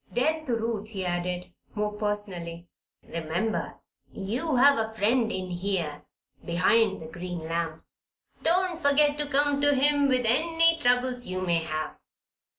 Then to Ruth he added, more personally: "Remember you have a friend in here behind the green lamps. Don't forget to come to him with any troubles you may have.